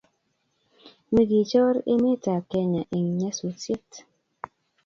migichor emetab Kenya eng nyasusiet